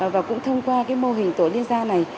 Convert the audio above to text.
và cũng thông qua cái mô hình tổ liên gia này